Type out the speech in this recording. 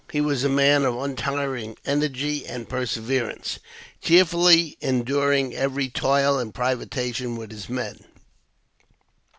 He was a man of untiring energy and perseverance, cheerfully enduring every toil and privation with his men.